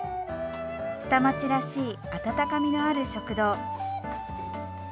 下町らしい温かみのある食堂。